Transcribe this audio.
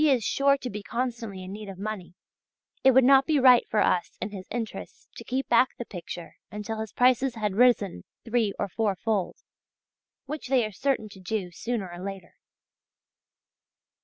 is sure to be constantly in need of money, it would not be right for us in his interests to keep back the picture until his prices had risen three or four fold, which they are certain to do sooner or later."